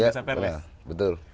ya benar betul